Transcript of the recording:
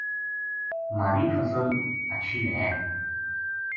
مھاری فصل ہچھی وھے